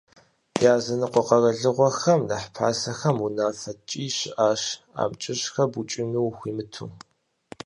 Языныкъуэ къэралыгъуэхэм нэхъ пасэхэм унафэ ткӀий щыӀащ амкӀыщхэр букӀыну ухуимыту.